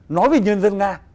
nói về nhân dân nga